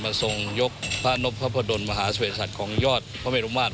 มาทรงยกพระนพพระพระดลมหาสเวชัตริย์ของยอดพระเมรุมาตร